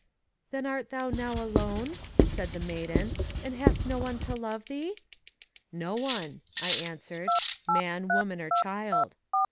Then art thou now alone, said the maiden, and hast no one to love thee? No one, I answered, man, woman, or child.